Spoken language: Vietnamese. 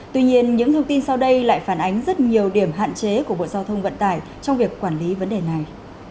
tuy nhiên những thông tin sau đây lại phản ánh rất nhiều điểm hạn chế của bộ giao thông vận tải trong việc quản lý vấn đề này